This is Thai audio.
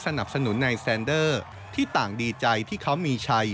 สนับสนุนในแซนเดอร์ที่ต่างดีใจที่เขามีชัย